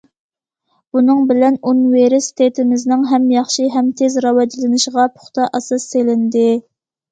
بۇنىڭ بىلەن ئۇنىۋېرسىتېتىمىزنىڭ ھەم ياخشى، ھەم تېز راۋاجلىنىشىغا پۇختا ئاساس سېلىندى.